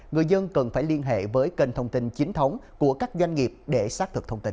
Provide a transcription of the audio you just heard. người dân cần phải liên hệ với kênh thông tin chính thống của các doanh nghiệp để xác thực thông tin